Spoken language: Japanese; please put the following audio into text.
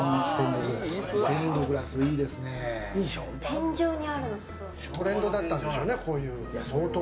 添乗にあるんですかトレンドだったんでしょうね、こういう。